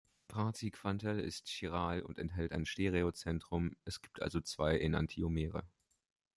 Praziquantel ist chiral und enthält ein Stereozentrum, es gibt also zwei Enantiomere.